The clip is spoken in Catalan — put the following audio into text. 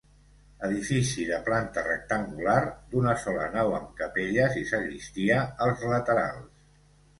Edifici de planta rectangular, d'una sola nau amb capelles i sagristia als laterals.